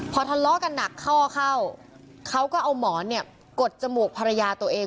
พอทะเลาะกันหนักเข้าเขาก็เอาหมอนเนี่ยกดจมูกภรรยาตัวเอง